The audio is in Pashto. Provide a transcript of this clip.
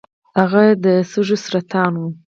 هغه د سږو سرطان و .